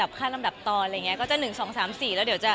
แต่ว่าเราสองคนเห็นตรงกันว่าก็คืออาจจะเรียบง่าย